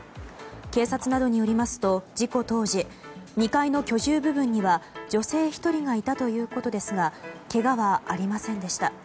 警察などによりますと事故当時、２階の居住部分には女性１人がいたということですがけがはありませんでした。